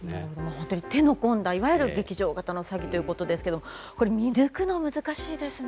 本当に手の込んだいわゆる劇場型の詐欺ということですけどこれ、見抜くのは難しいですね。